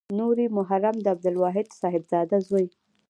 نوري مرحوم د عبدالواحد صاحبزاده زوی.